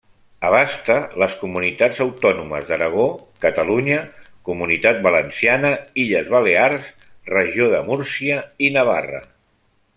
Abasta les comunitats autònomes d'Aragó, Catalunya, Comunitat Valenciana, Illes Balears, regió de Múrcia i Navarra.